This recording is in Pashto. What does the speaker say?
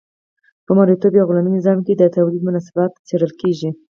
په مرئیتوب یا غلامي نظام کې د تولید مناسبات څیړل کیږي.